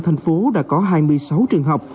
thành phố đã có hai mươi sáu trường học